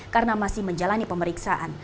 karena masih menjalani pemeriksaan